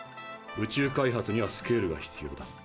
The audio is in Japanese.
宇宙開発にはスケールが必要だ。